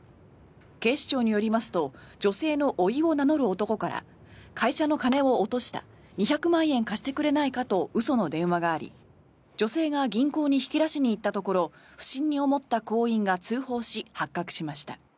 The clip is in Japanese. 警視庁によりますと女性のおいを名乗る男から会社の金を落とした２００万円貸してくれないかと嘘の電話があり、女性が銀行に引き出しに行ったところ不審に思った行員が通報し発覚しました。